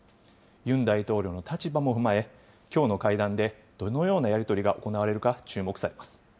ユン大統領の立場も踏まえ、きょうの会談で、どのようなやり取りが行われるか注目されます。